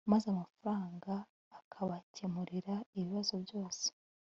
maze amafaranga akabakemurira ibibazo byose